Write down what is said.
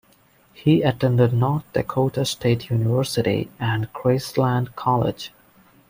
He attended North Dakota State University and Graceland College.